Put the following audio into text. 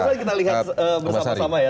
mari kita lihat bersama sama ya